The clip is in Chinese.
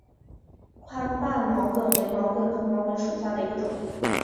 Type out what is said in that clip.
宽瓣毛茛为毛茛科毛茛属下的一个种。